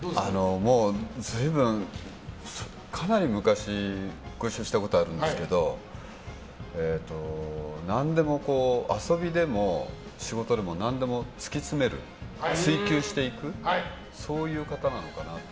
もう、随分、かなり昔ご一緒したことがあるんですけど遊びでも仕事でも何でも突き詰める、追求していくそういう方なのかなと。